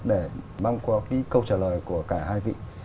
để băng qua cái câu trả lời của cả hai vị